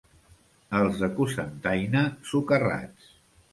Els de Cocentaina, socarrats.